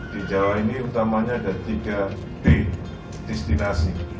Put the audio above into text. di jawa ini utamanya ada tiga d destinasi